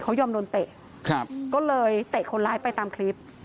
เขายอมโดนเตะครับก็เลยเตะคนร้ายไปตามคลิป